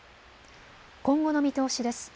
今後の見通しです。